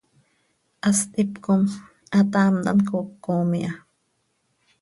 Hast hipcom hataamt hant cocom iha.